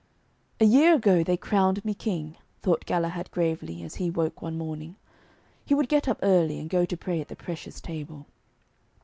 'A year ago they crowned me King,' thought Galahad gravely, as he woke one morning. He would get up early, and go to pray at the precious table.